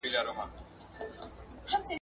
چاپېریال پالنه د ژوند کیفیت لوړوي.